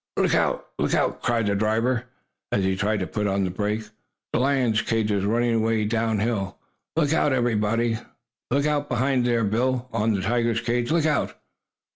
"Look out! Look out!" cried the driver, as he tried to put on the brake. "The lion's cage is running away downhill! Look out, everybody! Look out behind there, Bill on the tiger's cage! Look out!"